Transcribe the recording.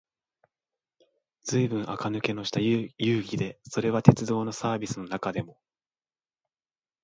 ずいぶん垢抜けのした遊戯で、それは鉄道のサーヴィスの中でも、